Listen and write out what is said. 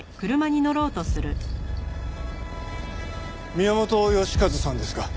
宮本良和さんですか？